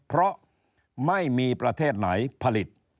เพราะไม่มีประเทศไหนผลิต